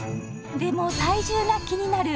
でも体重が気になる